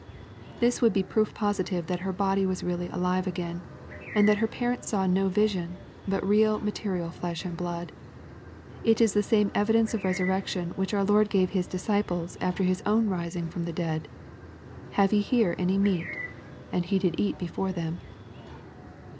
] This would be proof positive that her body was really alive again, and that her parents saw no vision, but reai material flesh and blood. It is the same evidence of resurrection which our Lord gave His disciples after His own rising from the dead :Have ye here any meat ? And He did eat before them."